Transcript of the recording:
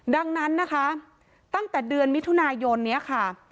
ดังนั้นนะคะตั้งแต่เดือนมิถุนายนนี้ค่ะ